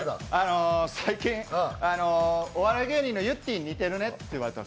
最近、お笑い芸人のゆってぃに似てるねって言われた。